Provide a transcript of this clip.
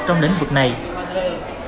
trong lĩnh vực này